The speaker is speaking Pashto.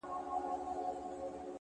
د ژوند په څو لارو كي ـ